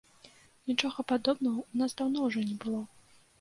Нічога падобнага ў нас даўно ўжо не было.